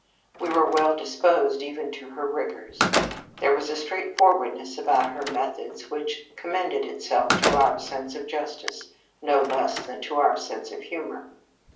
We were well disposed even to her rigours. There was a straightforwardness about her meth ods which commended itself to our sense of justice no less than to our sense of humour.